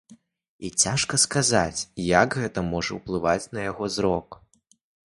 І цяжка сказаць, як гэта можа ўплываць на яго зрок.